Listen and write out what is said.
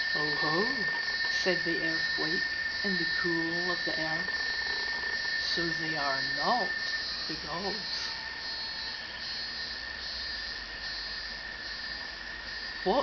"Oho," said the earthquake in the coolth of the earth, "so they are not the gods."